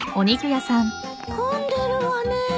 混んでるわね。